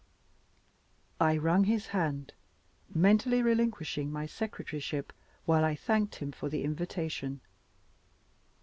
I wrung his hand, mentally relinquishing my secretaryship while I thanked him for the invitation.